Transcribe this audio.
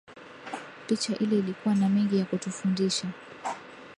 Picha ile ilikuwa na mengi ya kutufundisha